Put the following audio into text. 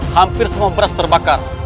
hampir semua beras terbakar